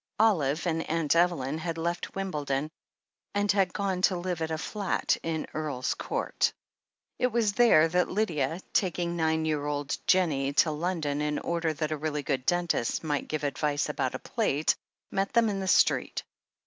Olive and Aunt Evelyn had left Wimbledon and had gone to live at a flat in Earl's Court. It was there that Lydia, taking nine year old Jennie to London in order that a really good dentist might give advice about a plate, met them in the street.